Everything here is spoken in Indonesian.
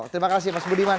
terima kasih mas budiman